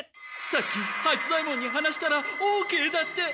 さっき八左ヱ門に話したらオーケーだって！